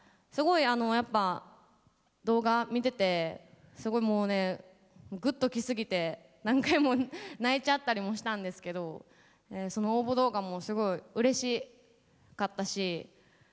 すごいやっぱ動画見ててすごいもうねグッと来過ぎて何回も泣いちゃったりもしたんですけどその応募動画もすごいうれしかったし。